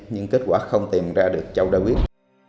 nhưng kết quả không tìm ra được châu david